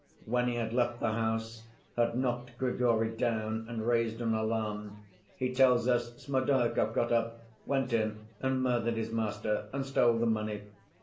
When he had left the house, had knocked Grigory down and raised an alarm, he tells us Smerdyakov got up, went in and murdered his master and stole the money!